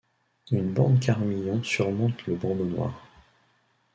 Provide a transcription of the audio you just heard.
Une bande Carmillon surmonte le bandeau noir.